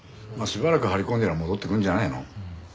まあしばらく張り込んでりゃ戻ってくるんじゃないの？